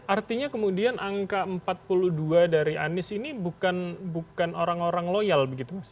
artinya kemudian angka empat puluh dua dari anies ini bukan orang orang loyal begitu mas